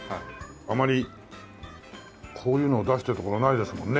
あまりこういうのを出してる所ないですもんね。